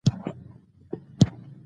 شرکت اوږدمهاله ستراتیژي ټاکي.